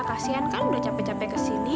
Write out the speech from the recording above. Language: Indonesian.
kasian kan udah capek capek kesini